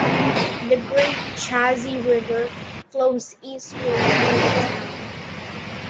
The Great Chazy River flows eastward through the town.